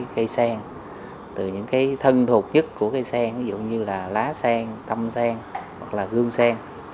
cây sen từ những cái thân thuộc nhất của cây sen ví dụ như là lá sen tăm sen hoặc là gương sen